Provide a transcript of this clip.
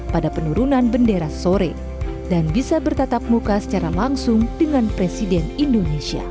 pada penurunan bendera sore dan bisa bertatap muka secara langsung dengan presiden indonesia